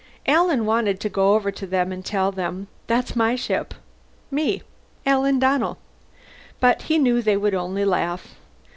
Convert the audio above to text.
Alan wanted to go over to them and tell them, "That's my ship. Me. Alan Donnell." But he knew they would only laugh.